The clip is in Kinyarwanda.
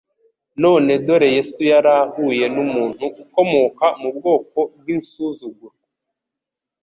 None dore Yesu yari ahuye n'umuntu ukomoka mu bwoko bw'insuzugurwa